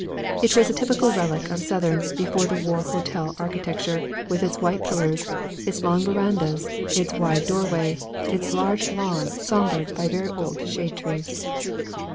It was a typical relic of Southern before the war hotel architecture, with its white pillars, its long verandas, its wide doorway, its large lawn sombred by very old shade trees.